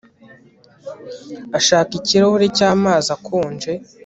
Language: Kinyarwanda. Ashaka ikirahuri cyamazi akonje